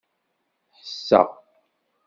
Ḥesseɣ.